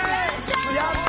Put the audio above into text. やった！